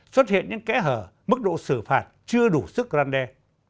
xuất hiện những kẽ hở mức độ xử phạt chưa đủ sức răn đe